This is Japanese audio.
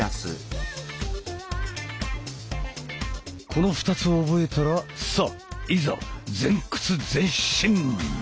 この２つを覚えたらさあいざ前屈前進！